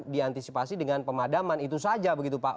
diantisipasi dengan pemadaman itu saja begitu pak